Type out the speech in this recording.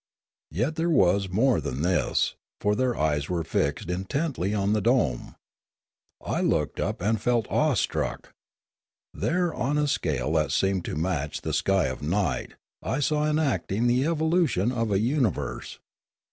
Yet there was more than this; for their eyes were fixed intently on the dome. I looked up and felt awestruck. There on a scale that seemed to match the sky of night I saw enacting the evolution of a universe.